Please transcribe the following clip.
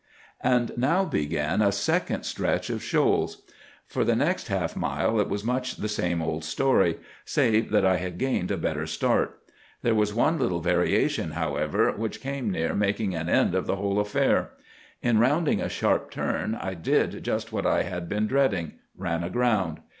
"And now began a second stretch of shoals. For the next half mile it was much the same old story, save that I had gained a better start. There was one little variation, however, which came near making an end of the whole affair. In rounding a sharp turn I did just what I had been dreading,—ran aground.